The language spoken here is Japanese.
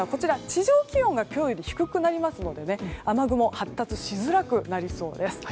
地上気温が今日より低くなりますので雨雲は発達しづらくなりそうです。